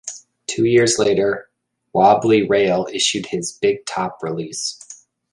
Two years later, Wobbly Rail issued his "Big Top" release.